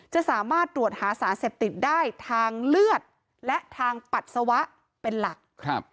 จะสามารถตรวจหาสารเสพติดได้ทางเลือดและทางปัสสาวะเป็นหลัก